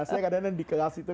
saya kadang kadang di kelas itu